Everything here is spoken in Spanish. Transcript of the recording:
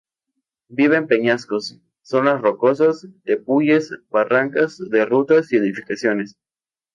Vive en peñascos, zonas rocosas, tepuyes, barrancas de rutas y edificaciones.